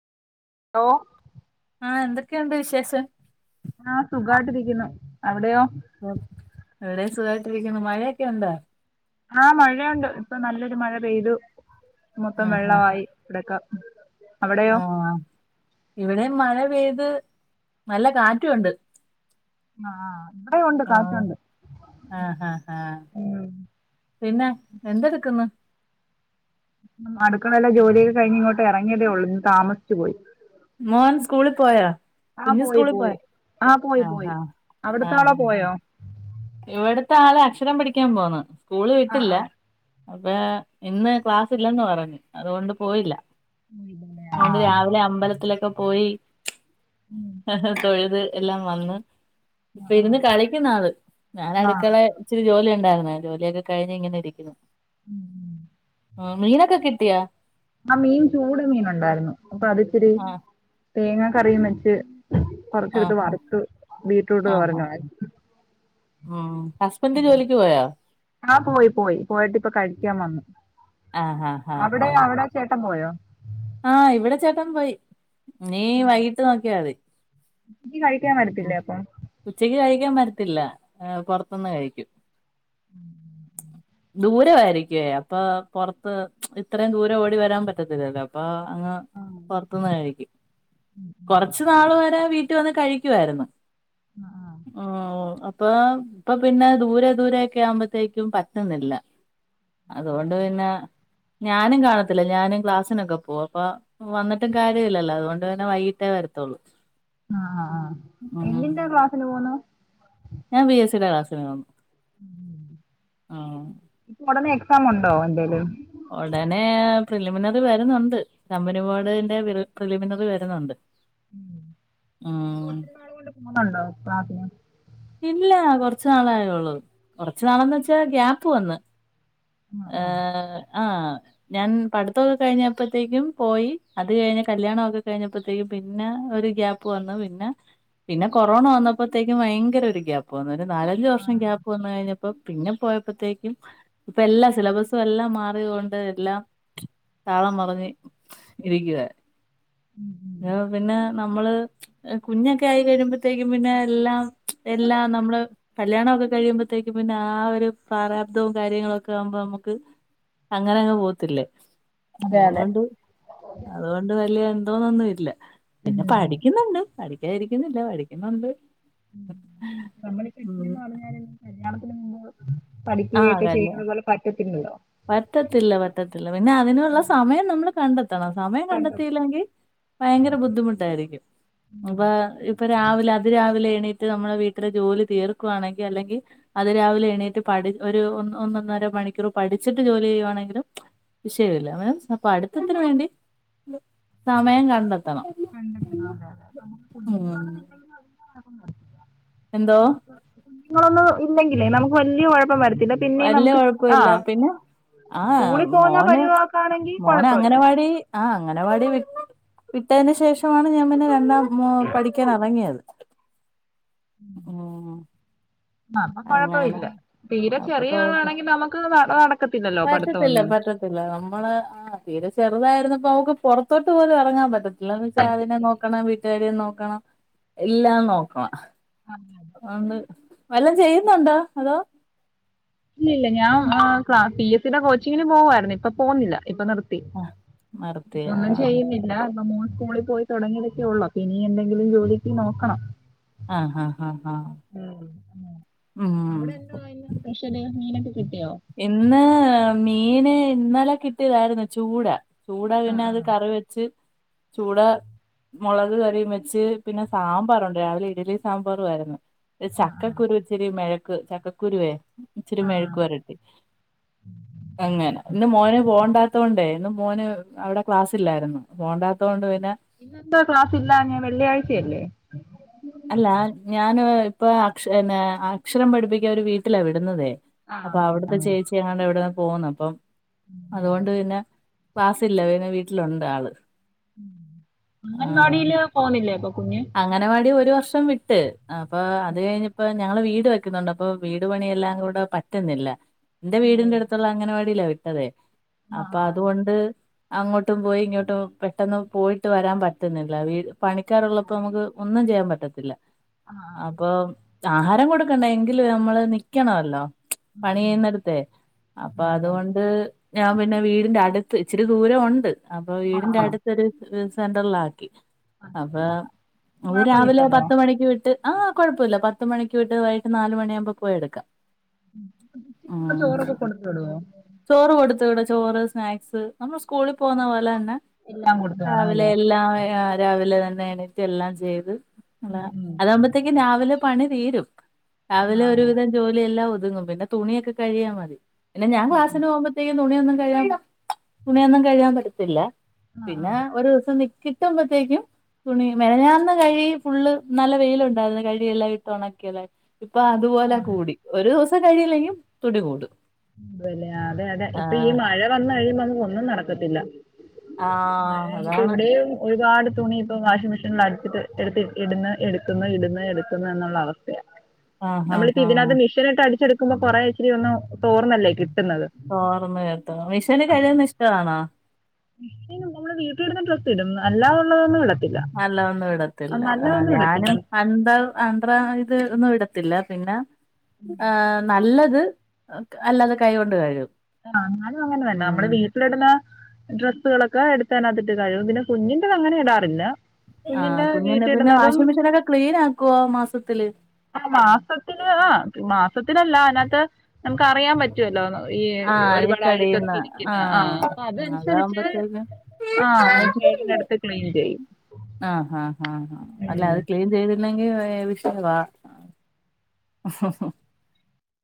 Hello ആഹ് ന്തൊക്കെയുണ്ട് വിശേഷം ആഹ് സുഖായിട്ടിരിക്കുന്നു അവിടെയോ അവിടെ സുഖമായിട്ടിരിക്കുന്നു മഴയൊക്കെ ഉണ്ടോ ആഹ് മഴയുണ്ട് ഇപ്പൊ നല്ലൊരു മഴ പെയ്തു മൊത്തം ആഹ് ആഹ് വെള്ളമായി കെടക്കാ ആഹ് ഇവിടെ മഴ പെയ്ത് നല്ല കാറ്റുണ്ട് ആഹ് ഇവിടെ ഉണ്ട് ആഹ് കാറ്റുണ്ട് ആഹ ഹാ ഹാ ഉം പിന്നെ എന്തെടുക്ക്ന്ന് അടുക്കളലെ ജോലിയൊക്കെ കഴിഞ് ഇങ്ങോട്ടെറങ്ങിയതേ ഉള്ളൂന്ന് താമസിച് പോയി മോൻ സ്കൂള് പോയാ ആഹ് കുഞ്ഞു പോയി സ്കൂളിൽ പോയ പോയി പോയി പോയി ആഹ് അവിടത്താളോ ആഹ് പോയോ ഇവിടതാള് അക്ഷരം പടിക്കാൻ പോന്ന് സ്കൂള് ആഹ് വിട്ടില്ല ആഹ് അതെ ഇന്ന് ക്ലാസ്സ് ഇല്ലന്ന് പറഞ്ഞ് അതുകൊണ്ട് പോയില്ല പോയില്ലേ. ണ്ട് ആഹ് രാവിലെ അമ്പലത്തിലൊക്കെ പോയി തൊഴുത് എല്ലാം വന്ന് ആഹ് ഇരുന്ന് കളിക്കുന്നാള് ഞാൻ ആഹ് ആഹ് അടുക്കള ഇച്ചരി ജോലി ഉണ്ടായിരുന്ന ജോലിയൊക്കെ കഴിഞ് ഇങ്ങനെ ഇരിക്കുന്നു ഉം ആഹ് മീനോക്കെ കിട്ടിയാ ആഗ് മീൻ ചൂട് മീന് ണ്ടായിരുന്നു അപ്പൊ അത്ച്ചിരി ആഹ് തേങ്ങാ കറിയും വെച്ച് ആഹ് കൊറച്ചെടുത്ത് ആഹ് വർത് ബീറ്റ്രൂട്ട് ആഹ് തോരന ആഹ് ഹസ്ബൻഡ് ജോലിക്ക് പോയാ ആ പോയി പോയി പോയിട്ട് ഇപ്പൊ കഴിക്കാൻ വന്നു ആഹ് ആഹ് ആഹ് അവിടെ ആഹ് അവിടെ ചേട്ടൻ പോയോ ആഹ് ഇവിടെ ചേട്ടൻ പോയി ഇനി വൈകീട്ട് നോക്കിയ മതി ചയ്ക്കു കഴിക്കാൻ ഉം വരത്തില്ലേ അപ്പൊ ഉച്ചക്ക് കഴിക്കാൻ വരത്തില്ല പൊറത്തുന്ന് കഴിക്കും. ദൂരയിരിക്കുവേ അപ്പൊ പുറത്ത് ഇത്രയും ദൂരം ഓടി വരാൻ പറ്റത്തില്ലല്ലോ പ്പൊ അങ്ങ് ആ പുറത്തുന്ന് കഴിക്കും കൊറച് നാള് വരെ വീട്ട വന്ന് കഴി ക്കായിരുന്നു ആ പ്പൊ ഇപ്പൊ പിന്നെ ദൂരെ ദൂരെ ഒക്കെ ആവുമ്പോത്തേക്കും പറ്റുന്നില്ല അതുകൊണ്ട് പിന്നെ ഞാനും കാണത്തില്ല ഞാനും ക്ലാസ്സിനൊക്കെ പോവും അപ്പൊ വന്നിട്ടും കാര്യ ല്ലല്ലോ അതുകൊണ്ട്ന്നെ വൈകിട്ടേ വരത്തുള്ളൂ ആഹ് ആഹ് ആ ഉം യെന്റിന്താ ക്ലാസ്സിന് പോകുന്നു ഞാൻ പി എസ് സി യുടെ ക്ലാസ്സിന് പോകും. ആഹ് പ്പ ഉടനെ എക്സാം ഉണ്ടോ എന്തേലും ഉടനെ പ്രിലിമിനറി വരുന്നുണ്ട് കബനി വാടാ യിന്റെ പ്രി പ്രിലിമിനറി വരുന്നുണ്ട്. ഉമ് ഉം പോഒത്തിരി നാള് കൊണ്ട് പോകുന്നുണ്ടോ ക്ലാസിനു ഇല്ല കൊറച്ചു നാളായള്ളൂ കൊറച് നാളന്ന് വെച്ചാ ഗ്യാപ്പ് വന്ന് ആ, ആ. എഹ് ആഹ് ഞാൻ പഠിത്തമൊക്കെ കഴിഞ്ഞപ്പോത്തേക്കും പോയി അത് കഴിഞ്ഞ കല്യാണക്കെ കഴിഞ്ഞപ്പോഴത്തേക്കും പിന്നെ ഒരു ഗ്യാപ്പ് വന്ന് പിന്നെ പിന്നെ കൊറോണ വന്നപ്പോഴത്തേക്കും ഭയ ഭയങ്കര ഒരു ഗ്യാപ്പ് വന്ന് ഒരു നാലഞ്ചു വർഷം ആണല്ലേ? ഗ്യാപ്പ് വന്ന് കഴിഞ്ഞപ്പം പിന്നെ പോയപ്പോഴത്തേക്കും ഇപ്പം എല്ലാം സിലബസും എല്ലാം മാറിയതുകൊണ്ട് എല്ലാം താളം മറിഞ്ഞ് ഇരിക്കുവാ ഉം, ഉം. പിന്നെ നമ്മള് കുഞ്ഞൊക്കെ ആയി കഴിയുമ്പോത്തേക്കും പിന്നെ എല്ലാം എല്ലാം നമ്മള് കല്യാണം ഒക്കെ കഴിയുമ്പോഴത്തേക്കും പിന്നെ ആ ഒരു പ്രാരാബ്ദവും കാര്യങ്ങളും ഒക്കെ ആവുമ്പോ നമുക്ക് അങ്ങനെ അങ്ങ് പോത്തില്ലേ അതെ അതെ അതുകൊണ്ട് അതുകൊണ്ട് വലിയ എന്തോന്നൊന്നും ഇല്ല പിന്നെ പഠിക്കുന്നുണ്ട് പഠിക്കാതിരിക്കുന്നില്ല പഠിക്കുന്നുണ്ട് നമ്മള് ഉം കെട്ടിയെന്ന് പറഞ്ഞാലും കല്യാണത്തിന് മുമ്പ് ആ പഠിക്കുകയൊക്കെ കല്യാ ചെയ്യുന്നത് പോലെ പറ്റത്തില്ലല്ലോ പറ്റത്തില്ല പറ്റത്തില്ല പിന്നെ അതിനുള്ള സമയം നമ്മള് കണ്ടെത്തണം സമയം പണ്ടൊക്കെ കണ്ടെത്തിയില്ലെങ്കി ഭയങ്കര ബുദ്ധിമുട്ടായിരിക്കും. ഉം. അപ്പം ഇപ്പം രാവിലെ അതിരാവിലെ എണീറ്റ് നമ്മള് വീട്ടിലെ ജോലി തീർക്കുവാണെങ്കിൽ അല്ലെങ്കി അത് രാവിലെ എണീറ്റ് പടി ഒരു ഒന്ന് ഒന്നര മണിക്കൂറ് പഠിച്ചിട്ട് ജോലി ചെയ്യുവാണെങ്കിലും വിഷയമില്ല അപ്പൊ പടുത്തത്തിന് വേണ്ടി സമയം കണ്ടെത്തണം കണ്ടെത്തണം അതാണ് നമ്മക്ക് ഉം എന്തോ [unintelligible] കുട്ടികളൊന്നും ഇല്ലെങ്കിലേ നമുക്ക് വലിയ കുഴപ്പം വരത്തില്ല പിന്നെ വലിയ നമുക്ക് ആ കൊഴപ്പില്ല പിന്നെ ആഹ് സ്കൂളിൽ പോകുന്ന മോന് പരുവക്കാണെങ്കിൽ മോന് കുഴപ്പമില്ല അംഗനവാടി ആഹ് അംഗനവാടി വി വിട്ടതിന് ശേഷമാണ് ഞാൻ പിന്നെ രണ്ടാം പഠി ക്കാൻ ഇറങ്ങിയത് ഉം അപ്പം അങ്ങനെ കൊഴപ്പമില്ല തീരെ അപ്പൊ ചെറിയ കൊഴപ്പ ആളാണെങ്കിൽ നമുക്ക് നട നട പറ്റത്തില്ല പറ്റത്തില്ല നമ്മള് ആ തീരെ ചെറുതായിരുന്നപ്പോ അവക്ക് പുറത്തോട്ട് പോലും ഇറങ്ങാൻ പറ്റത്തില്ല എന്ന് വച്ചാ അതിനെ നോ പറ്റത്തില്ല നോക്കണം വീട്ടുകാരേയും നോക്കണം എല്ലാം നോക്കണം അതോണ്ട് വല്ലോം ചെയ്യുന്നുണ്ടോ അതോ ഇല്ലില്ല ഞാൻ പി എസ് സി യുടെ കോച്ചിങ്ങിന് പോകുവായിരുന്നു ഇപ്പൊ പോകുന്നില്ല ഇപ്പൊ നിർ പി നിർത്തി ആ ഒന്നും ചെയ്യുന്നി ഇല്ല ഇപ്പം മോൻ സ്കൂളിൽ പോയി തുടങ്ങിയതൊക്കെ ഉള്ളൂ അപ്പം ഇനി എന്തെങ്കിലും ജോലിക്ക് നോക്കണം ആഹ് ആഹ് ആഹ് ആഹ് ഉമ് അവിടെന്തുവാ ഇന്ന് സ്പെഷ്യല് മീനൊക്കെ കിട്ടിയോ ഇന്ന് മീന് ഇന്നലെ കിട്ടിയതായിരുന്നു ചൂട ചൂട ആ പിന്നെ അത് കറി വെച്ച് ചൂട മുളക് കറിയും വെച്ച് പിന്നെ സാമ്പാറുണ്ട് രാവിലെ ഇഡലിയും സാമ്പാറും ആയിരുന്ന് ആ ചക്കക്കുരു ഇച്ചിരി മെഴക്ക് ചക്കക്കുരുവേ ഇച്ചിരി ആ മെഴക്ക് പെരട്ടി അങ്ങനെ ഇന്ന് മോന് പോകണ്ടാത്തോണ്ടേ ഇന്ന് മോന് അവിടെ ക്ലാസില്ലായിരുന്നു പോണ്ടാത്തോണ്ട് പിന്നെ ഇന്നെന്താ ക്ലാസ് ഇല്ലാഞ്ഞെ വെള്ളിയാഴ്ച അല്ലേ അല്ല ഞാന് ഇപ്പം അക്ഷ പിന്നെ അക്ഷരം പഠിപ്പിക്കാന് ഒരു വീട്ടിലാ വിടുന്നതേ ആ അപ്പൊ അങ്ങനെ. അവിടത്തെ ചേച്ചി എങ്ങാണ്ട് ഇവിടുന്ന് പോന്ന് അപ്പം അതു കൊണ്ട് പിന്നെ ക്ലാസ്സില്ല പിന്നെ വീട്ടിലുണ്ട് ആള് അംഗൻവാടിയില് പോവുന്നില്ലേ അപ്പൊ കുഞ്ഞ് അംഗനവാടി ഒരു വർഷം വിട്ട് അപ്പൊ അത് കഴിഞ്ഞപ്പോ ഞങ്ങള് വീട് വെക്കുന്നുണ്ട് അപ്പോ വീട് പണിയെല്ലാം കൂടെ പറ്റ പറ്റുന്നില്ല എന്റെ ഓ വീടിന്റെ അടുത്തുള്ള അംഗനവാടിയിലാ വിട്ടതേ അപ്പൊ ആഹ് അതുകൊണ്ട് അങ്ങോട്ടും പോയി ഇങ്ങോട്ടും പെട്ടെന്ന് പോയിട്ട് വരാൻ പറ്റുന്നില്ല വീ പണിക്കാരുള്ള അപ്പൊ ആഹ് നമുക്ക് ഒന്നും ചെയ്യാൻ പറ്റത്തില്ല ആഹ് ആഹ് അപ്പോ ആഹാരം കൊടുക്കണ്ട എങ്കില് നമ്മള് നിക്കണല്ലോ ഉം പണി ഉം ചെയ്യുന്നിടുത്തേ അപ്പൊ ആ, അതെ അതു അതെ കൊണ്ട് ഞാൻ പിന്നെ വീടിന്റെ അട്ത്ത് ഇച്ചിരി ദൂരം ഒണ്ട് അപ്പൊ ആഹ് വീടിന്റെ ആഹ് അടു സെ സെന്ററിലാക്കി അപ്പൊ മനസ്സിലായി ആഹ് അത് രാവിലെ കൊഴപ്പമില്ലല്ലോ പത്ത് മണിക്ക് വിട്ട് ആഹ് കൊഴപ്പല്ല പത്ത് മണിക്ക് വിട്ട് വൈകിട്ട് നാലുമണിയകുമ്പോ പോയെടുക്കാം ഉച്ചക്കുള്ള ഉമ് ചോറൊക്കെ കൊടുത്ത് വിടുവോ ചോറ് കൊടുത്ത്‌ വീടോ ചോറ് സ്നാക്സ് നമ്മള് സ്കൂളി പോന്ന പോലെ തന്നെ എല്ലാം കൊടുത്ത് വിടണം രാവിലെ അല്ലേ എല്ലാം ര രാവിലെ തന്നെ എണറ്റ് എല്ലാം ചെയ്ത് അത ഉം ഉം അതാകുമ്പോത്തേക്ക്‌ രാവിലെ പണി തീരും രാവിലെ ഒര് ആഹ് അ ജോലിയെല്ലാം ഒതുങ്ങും പിന്നെ തുണിയൊക്കെ കഴികിയമതി പിന്നെ ഞാൻ ആഹ് ക്ലാസിന്പോവുമ്പോ തുണിയൊന്നും കഴ്‌കാൻ തുണിയൊന്നും കഴ്‌കാൻ പറ്റത്തില്ല ആഹ് ആഹ് പിന്നെ ആഹ് ഒരു ദിവസം നി കിട്ടുമ്പോത്തേക്കും തുണിയും മെനഞ്ഞാന്ന് കഴി ഫുള്ള് നല്ല വെയിലുണ്ടായിരുന്ന് കഴി എല്ലാം ഇട്ട് ഒണക്കിയല്ലേ ഇപ്പൊ അതുപോലെ ആഹ് കൂടി ഒരു ദിവസം കഴികില്ലെക്കി തുടികൂടും അതെന്നെ ഇപ്പൊ ഈ മഴ വന്ന് കഴിയുമ്പോ ഒന്നും നടക്കത്തില്ല ആ [unintelligible] അതാണ് ഇവിടെയും ഒരുപാട് തുണി ഇപ്പോവാഷിംഗ് മെഷീനിൽ അടിപിച്ച് എടുത്ത് ഇട്ന്ന് എടുക്കുന്നു ഇടുന്ന് എടുക്കുന്നു എന്നുള്ള അവസ്ഥയാ ആ ആ നമ്മളിപ്പോ ആ ഇതിനകത്ത് മിഷേൻ ഇട്ട് അടിച്ചെടുക്കുമ്പോ കൊറെ ഇച്ചിരി ഒന്ന് തോർന്നല്ലേ കിട്ടുന്നത് തോർന്ന് കിട്ടും മിഷേനി അപ്പൊ കഴുകുന്ന ഇഷ്ടമണോ നമ്മള് വീട്ടിലിടുന്ന ഡ്രസ്സ് ഇടും അല്ലാതൊള്ളതോന്നും ഇടാ നല്ല ഒന്നും ഇടത്തില്ല ആഹ് ഇടത്തില്ല ഞാനും അഡ ആൻഡ്ര ഇത് ഒന്നും ഇടത്തില്ല പിന്നെ ഏഹ് നല്ലത് ഒക്കെ അല്ലാത് കൈ കൊണ്ട് കഴുകും ആഹ് എന്നാലും അങ്ങനെ തന്നെ നമ്മടെ ഉം വീ ഇടുന്ന ഡ്രസ്സുകളൊക്കെ എടുത്താനത്തിട്ട് കഴികും പിന്നെ കുഞ്ഞിന്റെ അങ്ങനെ ഇടാറില്ല ആഹ് കുഞ്ഞിന്റെ പിന്നെ വാഷിംഗ് മെഷീനൊക്കെ ക്ലീൻ ആക്കുവോ മാസത്തില് മ്മടെ മാസത്തില് മാസത്തില്ല അതിനത്ത് ഞമ്മക്ക് അറിയാ പറ്റും പറ്റൊല്ലോ ഈ ആ ഒരു പാട് അഴുക്കടിയുന്ന അഴുക്കൊക്കെ ആ ഇരിക്കുന്നെ ആഹ് അപ്പോ ആ, അതനുസരിച്ച് അതാവുമ്പത്തേക്കും ആഹ് ചേട്ടിൻ എടുത്ത് ക്ലീൻ ചെയ്യും ആഹ ആഹ ആഹ ഹ അല്ല ഉം അത് ക്ലീൻ ചെയ് ല്ലെങ്കി വിഷയവാ